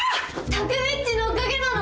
匠っちのおかげなの？